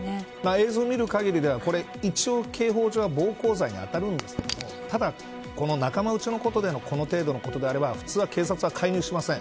映像を見る限りでは刑法上は一応、暴行罪に当たるんですけどただ、仲間うちのこの程度のことであれば普通は警察は介入しません。